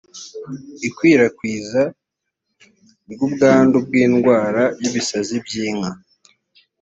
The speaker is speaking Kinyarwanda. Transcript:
ikwirakwiza ry’ubwandu bw’indwara y’ibisazi by’inka